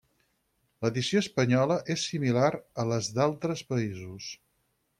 L'edició espanyola és similar a les d'altres països.